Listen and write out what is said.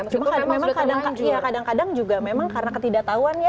cuma kadang kadang juga memang karena ketidaktauan ya